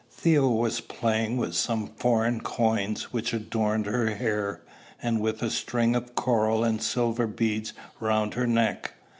Theo was playing with some foreign coins which adorned her hair, and with a string of coral and silver beads round her neck.